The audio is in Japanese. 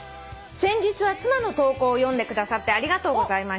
「先日は妻の投稿を読んでくださってありがとうございました」